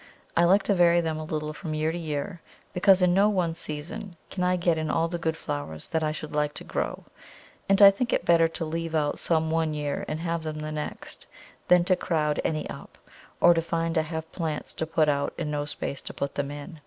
I like to vary them a little from year to year, because in no one season can I get in all the good flowers that I should like to grow; and I think it better to leave out some one year and have them the next, than to crowd any up, or to find I have plants to put out and no space to put them in.